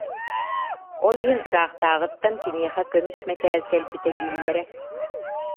Ол иһин ыраахтааҕыттан киниэхэ көмүс мэтээл кэлбитэ дииллэрэ